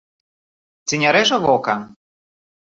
Ці не рэжа вока?